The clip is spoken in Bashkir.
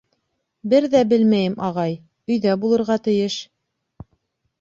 — Бер ҙә белмәйем, ағай, өйҙә булырға тейеш.